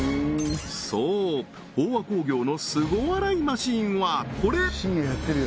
そう豊和工業のスゴ洗いマシンはこれ！